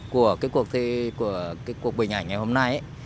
của cuộc bình ảnh ngày hôm nay